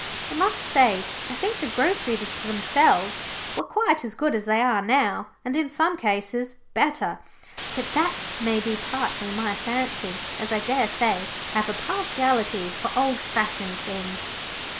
I must say I think the groceries themselves were quite as good as they are now, and in some cases better, but that may be partly my fancy, as I daresay I have a partiality for old fashioned things.